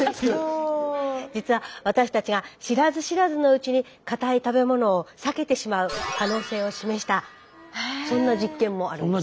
実は私たちが知らず知らずのうちにかたい食べ物を避けてしまう可能性を示したそんな実験もあるんです。